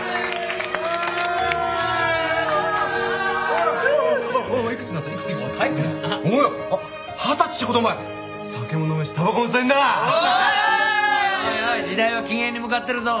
おいおい時代は禁煙に向かってるぞ。